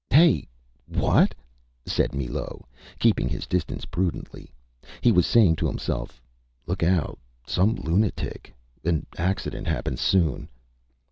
ÂHey! What?Â said Millot, keeping his distance prudently. He was saying to himself: ÂLook out! Some lunatic. An accident happens soon.